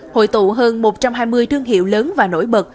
hội tụ hơn một trăm hai mươi thương hiệu lớn và nổi bật